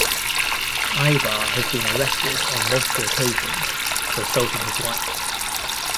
Aybar has been arrested on multiple occasions for assaulting his wife.